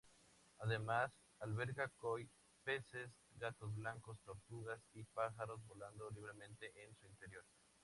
Además alberga koi, peces gato blancos, tortugas, y pájaros volando libremente en su interior.